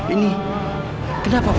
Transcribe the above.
ini kenapa bu